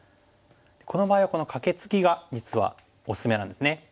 この場合はこのカケツギが実はおすすめなんですね。